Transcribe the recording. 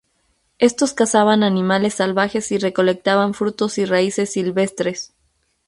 Estos cazaban animales salvajes y recolectaban frutos y raíces silvestres.